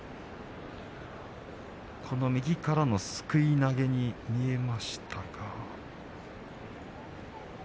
右からのすくい投げに見えました。